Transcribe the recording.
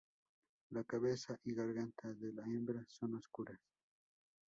La cabeza y garganta de la hembra son oscuras.